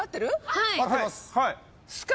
はい。